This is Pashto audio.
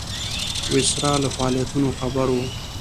ویسرا له فعالیتونو خبر وو.